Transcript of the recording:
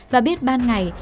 và biết ban ngày